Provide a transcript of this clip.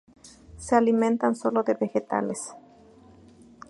Se alimentan sólo de vegetales.